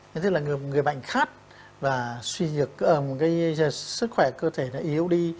thế tức là người bệnh khát và suy nhược sức khỏe cơ thể yếu đi